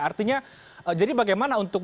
artinya jadi bagaimana untuk